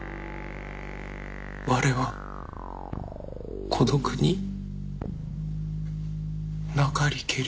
我は孤独になかりけり。